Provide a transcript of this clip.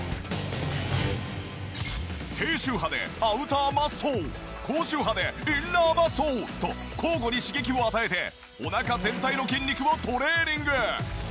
低周波でアウターマッスル高周波でインナーマッスルと交互に刺激を与えてお腹全体の筋肉をトレーニング。